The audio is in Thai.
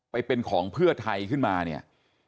ไปเป็นของเพื่อไทยขึ้นมาเนี่ย